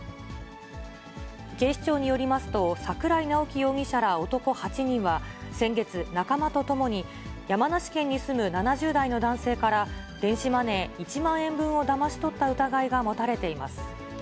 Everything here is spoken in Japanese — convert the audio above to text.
警視庁によりますと、桜井直樹容疑者ら男８人は先月、仲間と共に山梨県に住む７０代の男性から、電子マネー１万円分をだまし取った疑いが持たれています。